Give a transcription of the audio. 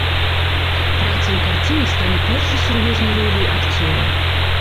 Праца ў карціне стане першай сур'ёзнай роляй акцёра.